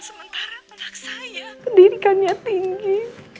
sementara anak saya pendidikannya tinggi